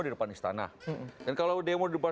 di depan istana dan kalau demo di depan